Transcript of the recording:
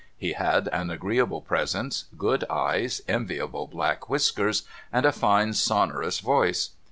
He had an agreeable presence, good eyes, enviable black whiskers, and a fine sonorous voice.